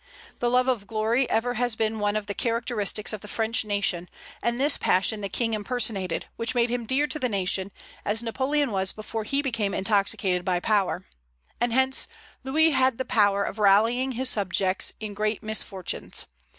The love of glory ever has been one of the characteristics of the French nation, and this passion the king impersonated, which made him dear to the nation, as Napoleon was before he became intoxicated by power; and hence Louis had the power of rallying his subjects in great misfortunes.